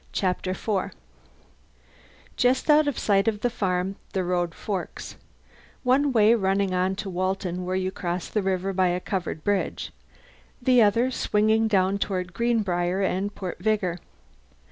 CHAPTER FOUR Just out of sight of the farm the road forks, one way running on to Walton where you cross the river by a covered bridge, the other swinging down toward Greenbriar and Port Vigor.